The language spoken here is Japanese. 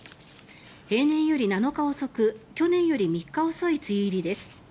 平年より７日遅く去年より３日遅い梅雨入りです。